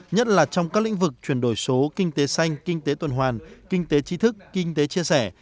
nhất là trong các lĩnh vực chuyển đổi số kinh tế xanh kinh tế tuần hoàn kinh tế trí thức kinh tế chia sẻ